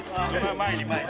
前に前に。